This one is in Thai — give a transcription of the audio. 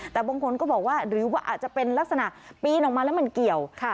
แต่บางคนก็บอกว่าหรือว่าอาจจะเป็นลักษณะปีนออกมาแล้วมันเกี่ยว